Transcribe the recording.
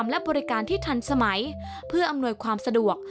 และบริการที่ทันสมัยเพื่ออำนวยความสะดวก